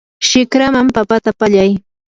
shikraman papata pallay.